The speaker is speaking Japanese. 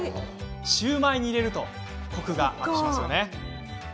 シューマイに入れるとコクがアップしますよね。